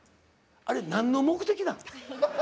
あれ何の目的なん？